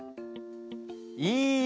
いいえ。